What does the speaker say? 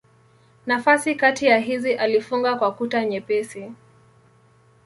Nafasi kati ya hizi alifunga kwa kuta nyepesi.